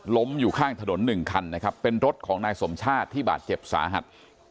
อยู่ข้างถนนหนึ่งคันนะครับเป็นรถของนายสมชาติที่บาดเจ็บสาหัส